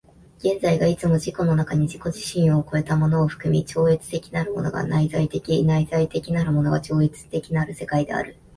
現在がいつも自己の中に自己自身を越えたものを含み、超越的なるものが内在的、内在的なるものが超越的なる世界である。